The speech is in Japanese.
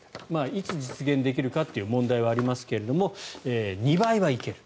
いつ実現できるかという問題はありますが２倍はいける。